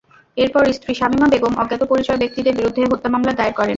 এরপর স্ত্রী শামিমা বেগম অজ্ঞাতপরিচয় ব্যক্তিদের বিরুদ্ধে হত্যা মামলা দায়ের করেন।